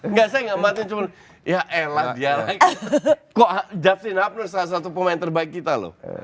nggak saya gak matiin cuma ya elah dia lah kok justin hapner salah satu pemain terbaik kita loh